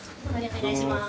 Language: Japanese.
お願いします。